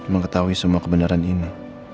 mengetahui semua kebenaran ini